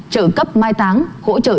trợ cấp mai táng hỗ trợ